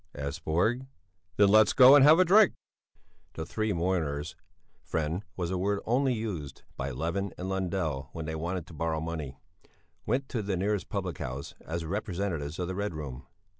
asked Borg. "Then let's go and have a drink." The three mourners (friend was a word only used by Levin and Lundell when they wanted to borrow money) went to the nearest public house as representatives of the Red Room.